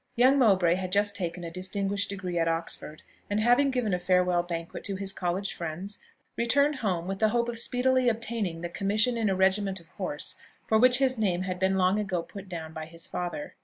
Young Mowbray had just taken a distinguished degree at Oxford, and having given a farewell banquet to his college friends, returned home with the hope of speedily obtaining the commission in a regiment of horse for which his name had been long ago put down by his father.